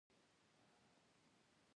له ټولو لیکوالو هیله لرم چي لیکنې سمی ولیکي